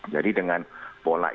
jadi dengan pola itu